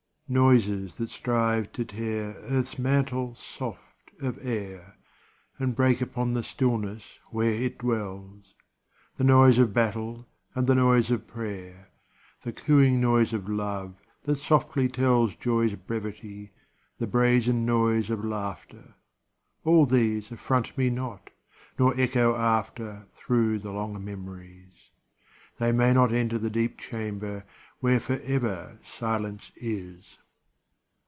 Noises that strive to tear Earth's mantle soft of air And break upon the stillness where it dwells : The noise of battle and the noise of prayer, The cooing noise of love that softly tells Joy's brevity, the brazen noise of laughter â All these affront me not, nor echo after Through the long memories. They may not enter the deep chamber where Forever silence is.